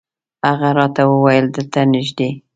هغه راته وویل دلته نږدې.